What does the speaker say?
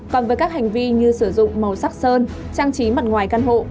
còn với các hành vi như sử dụng màu sắc sơn trang trí mặt ngoài căn hộ